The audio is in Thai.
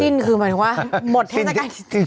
ตกใจสิ้นคือหมายถึงว่าหมดเทศกาลกิน